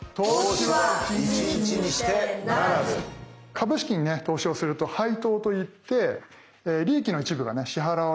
株式にね投資をすると配当といって利益の一部が支払われるんですよね。